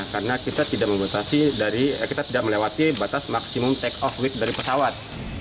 karena kita tidak melewati batas maksimum take off weight dari pesawat